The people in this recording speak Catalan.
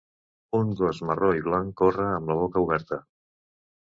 Un gos marró i blanc corre amb la boca oberta.